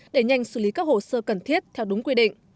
để nhanh xử lý các hồ sơ cần thiết theo đúng quy định